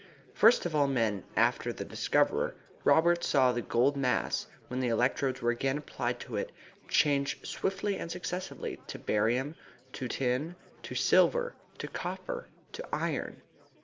First of all men after the discoverer, Robert saw the gold mass, when the electrodes were again applied to it, change swiftly and successively to barium, to tin, to silver, to copper, to iron.